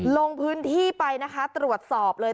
ลงพื้นที่ไปนะคะตรวจสอบเลย